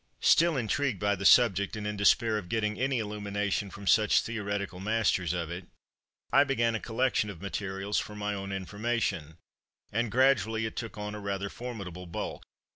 Still intrigued by the subject, and in despair of getting any illumination from such theoretical masters of it, I began a collection of materials for my own information, and gradually it took on a rather formidable bulk.